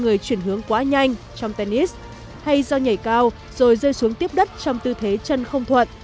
người chuyển hướng quá nhanh trong tennis hay do nhảy cao rồi rơi xuống tiếp đất trong tư thế chân không thuận